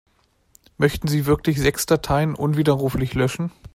Möchten Sie wirklich sechs Dateien unwiderruflich löschen?